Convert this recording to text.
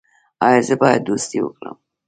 ایا زه باید دوستي وکړم؟